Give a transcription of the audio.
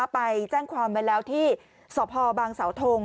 ไปแจ้งความไว้แล้วที่สพบางสาวทง